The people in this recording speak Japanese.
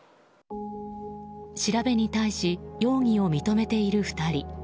調べに対し容疑を認めている２人。